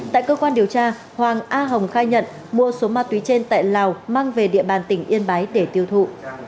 tại cơ quan điều tra hoàng a hồng khai nhận mua số ma túy trên tại lào mang về địa bàn tỉnh yên bái để tiêu thụ